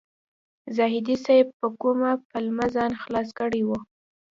زاهدي صیب په کومه پلمه ځان خلاص کړی و.